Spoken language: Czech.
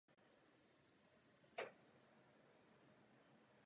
Vrcholově se připravoval v Doněcku.